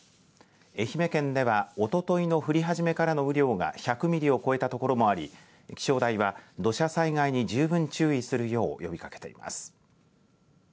愛媛県ではおとといの降り始めからの雨量が１００ミリを超えた所もあり気象台は土砂災害に十分注意するよう呼びかけています。